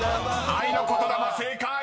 ［「愛の言霊」正解！］